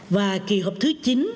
và kỳ họp thứ chín